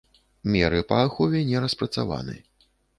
Меры па ахове не распрацаваны.